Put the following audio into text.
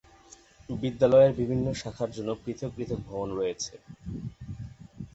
বিদ্যালয়ের বিভিন্ন শাখার জন্য পৃথক পৃথক ভবন রয়েছে।